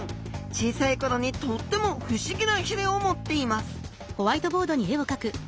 小さい頃にとっても不思議なひれを持っています